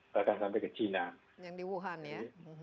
bahkan sampai ke china yang di wuhan ya